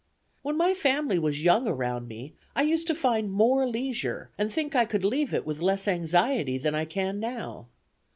"When my family was young around me, I used to find more leisure, and think I could leave it with less anxiety than I can now.